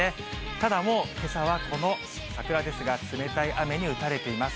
ただもう、けさはこの桜ですが、冷たい雨に打たれています。